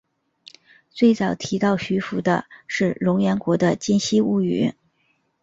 最早提到徐福的是源隆国的今昔物语。